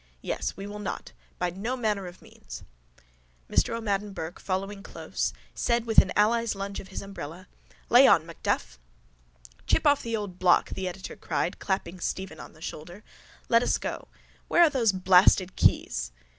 Yes, we will not. By no manner of means. Mr O'Madden Burke, following close, said with an ally's lunge of his umbrella: —Lay on, Macduff! —Chip of the old block! the editor cried, clapping Stephen on the shoulder. Let us go. Where are those blasted keys?